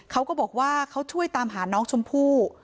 เขาก็บอกว่าเขาช่วยตามหาน้องชมพู่